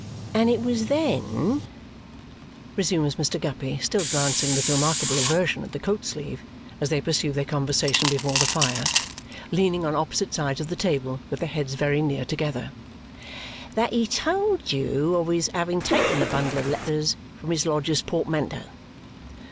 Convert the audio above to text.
"And it was then," resumes Mr. Guppy, still glancing with remarkable aversion at the coat sleeve, as they pursue their conversation before the fire, leaning on opposite sides of the table, with their heads very near together, "that he told you of his having taken the bundle of letters from his lodger's portmanteau?"